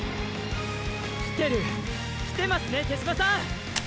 来てる来てますね手嶋さん！